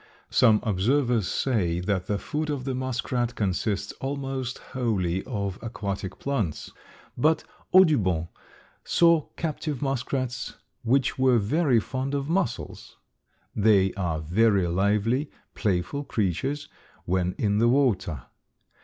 Some observers say that the food of the muskrat consists almost wholly of aquatic plants, but Audubon saw captive muskrats which were very fond of mussels. They are very lively, playful creatures when in the water.